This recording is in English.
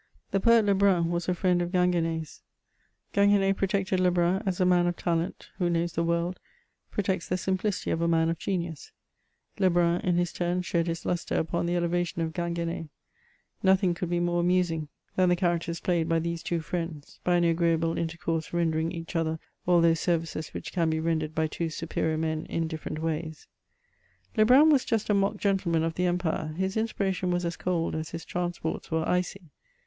The poet Lebrun was a friend of Ginguen^'s. Gingu^ne protected Lebrun, as a man of talent who knows the world, protects the simplicity of a man of genius ; Lebrun in his turn shed his lustre upon the elevation of Gingu^ne. Nothing could be more amusing than the characters played CHATEAUBRIAND. 1 8 3 by these two friends, by an agreeable intercourse rendering each other all those services which can be rendered by two superior men in different ways. Lebrun was just a mock gentleman of the empire; his inspiration was as cold as his transports were icy.